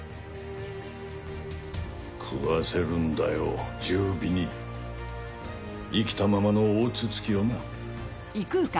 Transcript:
食わせるんだよ十尾に生きたままの大筒木をな。